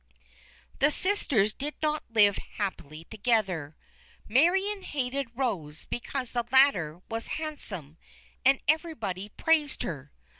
The sisters did not live happily together. Marion hated Rose because the latter was handsome and everybody praised her.